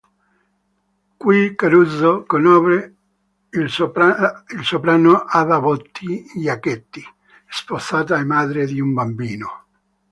Qui Caruso conobbe il soprano Ada Botti Giachetti, sposata e madre di un bambino.